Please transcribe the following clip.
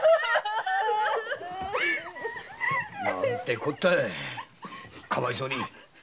何てこったいかわいそうに。